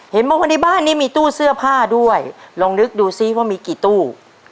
เห็นบอกว่าในบ้านนี้มีตู้เสื้อผ้าด้วยลองนึกดูซิว่ามีกี่ตู้